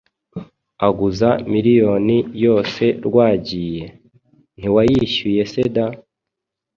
aguza miriyoni yose rwagiye! Ntiwayishyuye se da!